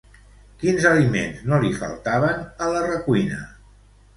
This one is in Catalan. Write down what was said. Quins aliments no li faltaven a la recuina?